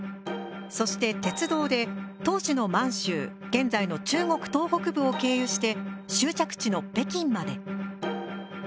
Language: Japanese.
そして鉄道で当時の満州現在の中国東北部を経由して終着地の北京まで。